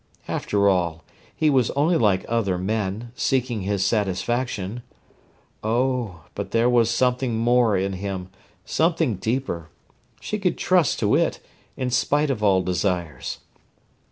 After all, he was only like other men, seeking his satisfaction. Oh, but there was something more in him, something deeper! She could trust to it, in spite of all desires.